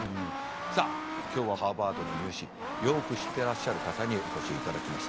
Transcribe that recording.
さあ今日はハーバードの入試よく知ってらっしゃる方にお越しいただきました。